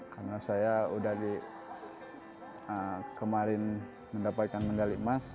karena saya sudah di kemarin mendapatkan mendali emas